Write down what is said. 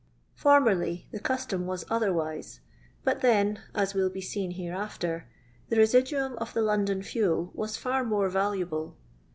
Formerly the custom was otherwise ; but then, as will be seen hereafter, the residuum of the Lon don fiiel was fsa more talnable.